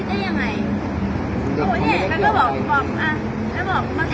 เมื่อวิทยานี้การสมัครอะไรก็ไม่เธอดูนะ